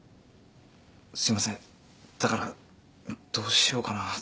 すいませんだからどうしようかなって。